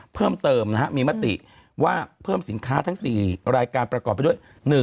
เพิ่มเติมมีมติว่าเพิ่มสินค้าทั้ง๔รายการประกอบไปด้วย